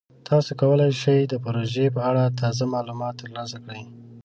تاسو کولی شئ د پروژې په اړه تازه معلومات ترلاسه کړئ.